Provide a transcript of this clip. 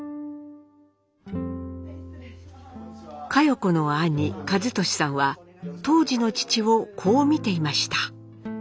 佳代子の兄和利さんは当時の父をこう見ていました。